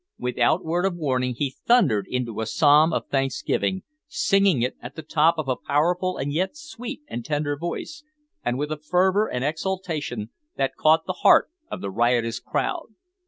Without word of warning he thundered into a psalm of thanksgiving, singing it at the top of a powerful and yet sweet and tender voice, and with a fervor and exaltation that caught the heart of the riotous crowd.